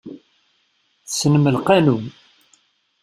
Tessnem laqanun.